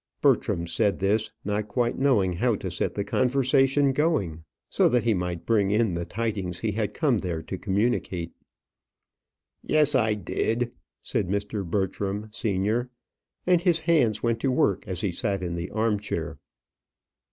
Bertram said this, not quite knowing how to set the conversation going, so that he might bring in the tidings he had come there to communicate. "Yes, I did," said Mr. Bertram senior; and his hands went to work as he sat in the arm chair.